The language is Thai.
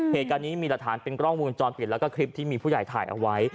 เหตุการณ์นี้มีหลักฐานเป็นกล้องวงจรปิดแล้วก็คลิปที่มีผู้ใหญ่ถ่ายเอาไว้